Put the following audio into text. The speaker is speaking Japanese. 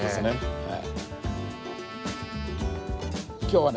はい。